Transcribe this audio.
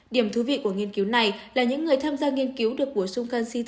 điểm thú vị của nghiên cứu này là những người tham gia nghiên cứu được bổ sung canxit